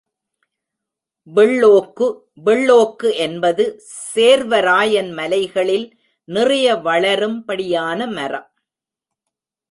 வெள்ளோக்கு வெள்ளோக்கு என்பது சேர்வராயன் மலைகளில் நிறைய வளரும்படியான மரம்.